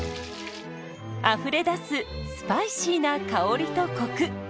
あふれ出すスパイシーな香りとコク。